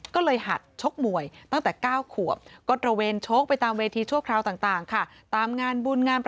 ก็เลยหัดชกมวยตั้งแต่๙ขวบก็ตระเวนชกไปตามเวทีชั่วคราวต่างค่ะ